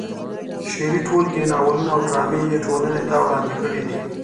شعري ټولګې، ناولونه او ډرامې یې ټولنې ته وړاندې کړې دي.